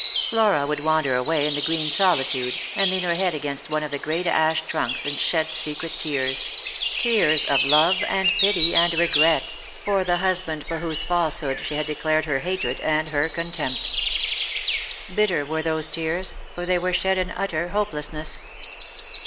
Mora would wander away in the green solitude, and lean her head against one of the great ash trunks, and shed secret tears — tears of love and pity and regret — for the husband for whose falsehood she had declared her hatred and her contempt. Bitter were those tears, for they were shed in utter hopelessness.